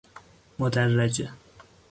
مدرجه